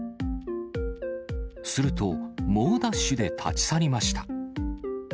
すると、猛ダッシュで立ち去りました。